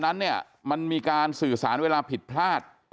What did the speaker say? นั้นเนี่ยมันมีการสื่อสารเวลาผิดพลาด